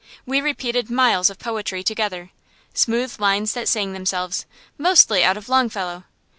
We repeated miles of poetry together, smooth lines that sang themselves, mostly out of Longfellow.